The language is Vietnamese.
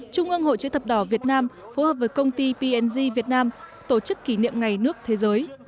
trung ương hội chữ thập đỏ việt nam phối hợp với công ty png việt nam tổ chức kỷ niệm ngày nước thế giới